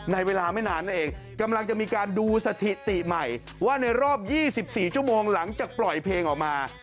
ในเวลาไม่นานนั่นเองกำลังจะมีการดูสถิติใหม่ว่าในรอบ๒๔ชั่วโมงหลังจากปล่อยเพลงออกมา